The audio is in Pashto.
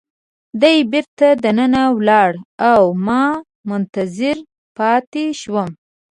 دی بیرته دننه ولاړ او ما منتظر پاتې شوم.